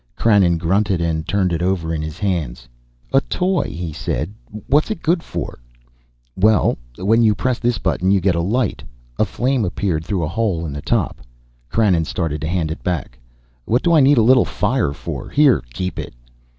Krannon grunted and turned it over in his hands. "A toy," he said. "What is it good for?" "Well, when you press this button you get a light." A flame appeared through a hole in the top. Krannon started to hand it back. "What do I need a little fire for? Here, keep it."